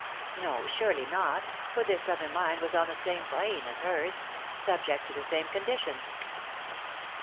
No, surely not, for this other mind was on the same plane as hers, subject to the same conditions.